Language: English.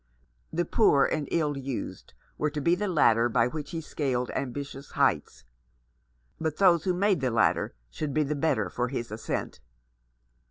The poor and the ill used were to be the ladder by which he scaled ambitious heights ; but those who made the ladder should be the better for his ascent.